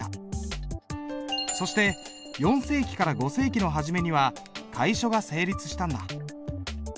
そして４世紀から５世紀の初めには楷書が成立したんだ。